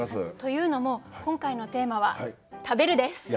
というのも今回のテーマは「食べる」です。